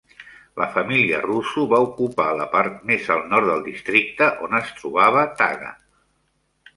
La família Rusu va ocupar la part més al nord del districte, on es trobava Taga.